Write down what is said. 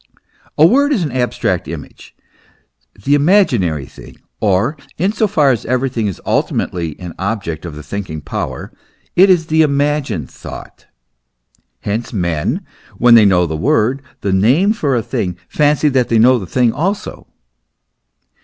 A Word is an abstract image, the imaginary thing, or, in so far as everything is ultimately an object of the thinking power, it is the imagined thought : hence, men when they know the word, the name for a thing, fancy that they know the thing also.